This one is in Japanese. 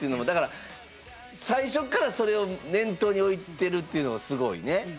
だから最初っからそれを念頭に置いてるっていうのがすごいね。